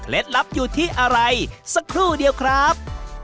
ลับอยู่ที่อะไรสักครู่เดียวครับ